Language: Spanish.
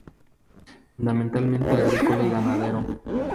Fundamentalmente agrícola y ganadero.